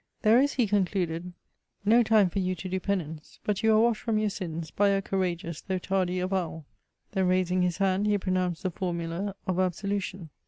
«* There is," he concluded, " no time for you to do penance ; but yoa are washed from your sins by a courage^ ous, though tardy avowal." Then, raising his hand, he pro nounced the formula of absolution.